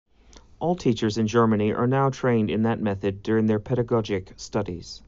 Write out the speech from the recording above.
All teachers in Germany are now trained in that method during their pedagogic studies.